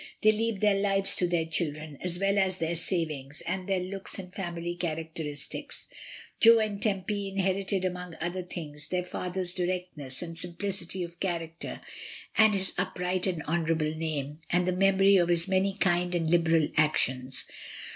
They leave their lives to their children, as well as their savings, and their looks and family characteristics. Jo and Tempy inherited among other things their father's directness and simplicity of character, and his upright and honorable name, and the memory of his many kind and liberal actions.